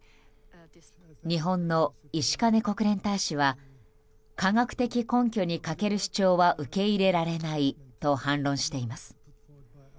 日本の石兼国連大使は科学的に根拠に欠ける主張は受け入れられないと反論しています。